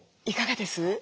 いかがです？